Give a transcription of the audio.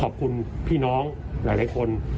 ขอบคุณพี่น้องหลายคน